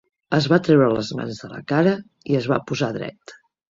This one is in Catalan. Es va treure les mans de la cara i es va posar dret.